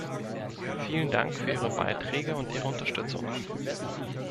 Vielen Dank für Ihre Beiträge und Ihre Unterstützung.